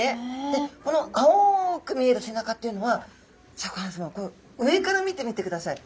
でこの青く見える背中っていうのはシャーク香音さま上から見てみてください。